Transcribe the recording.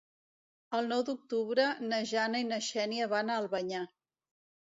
El nou d'octubre na Jana i na Xènia van a Albanyà.